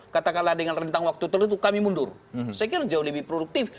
jadi kita harus lebih produktif